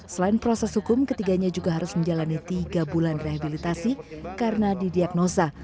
selain proses hukum ketiganya juga harus menjalani tiga bulan rehabilitasi karena didiagnosa